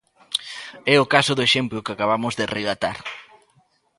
É o caso do exemplo que acabamos de relatar.